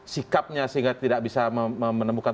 sikapnya sehingga tidak bisa menemukan